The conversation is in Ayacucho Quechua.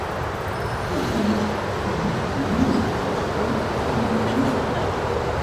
Ayllu llaqtaqa, lliw kawsay runakunam.